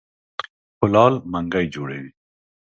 کولال منګی جوړوي.